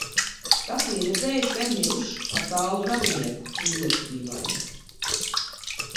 Sapnī redzēju sen mirušu attālu radinieku - ļoti dīvaini.